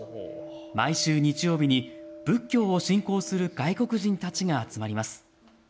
毎週日曜日に、仏教を信仰する外国人たちが集まります。